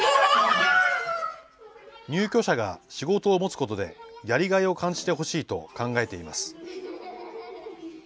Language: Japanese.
入居者が仕事を持つことで、やりがいを感じてほしいと考えています。